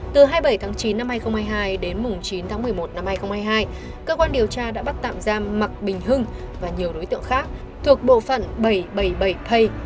từ hai mươi bảy tháng chín năm hai nghìn hai mươi hai đến chín tháng một mươi một năm hai nghìn hai mươi hai cơ quan điều tra đã bắt tạm giam mạc bình hưng và nhiều đối tượng khác thuộc bộ phận bảy trăm bảy mươi bảy p